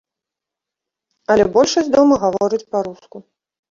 Але большасць дома гаворыць па-руску.